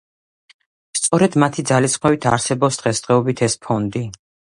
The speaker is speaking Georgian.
სწორედ მათი ძალისხმევით არსებობს დღესდღეობით ეს ფონდი.